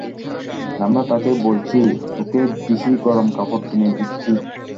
আমরা তাকে বলছি, তোকে দিশি গরম কাপড় কিনে দিচ্ছি।